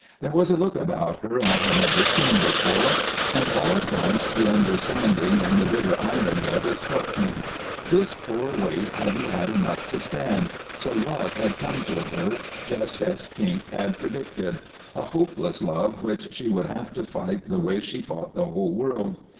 There was a look about her I had never seen before, and all at once the understanding and the bitter irony of it struck me. This poor waif hadn't had enough to stand, so Love had come to her, just as Kink had predicted a hopeless love which she would have to fight the way she fought the whole world.